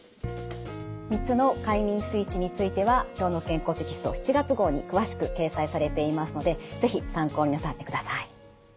３つの快眠スイッチについては「きょうの健康」テキスト７月号に詳しく掲載されていますので是非参考になさってください。